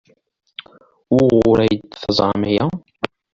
Wuɣur ay d-teẓram aya?